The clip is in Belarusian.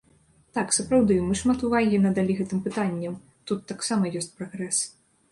Так, сапраўды, мы шмат увагі надалі гэтым пытанням, тут таксама ёсць прагрэс.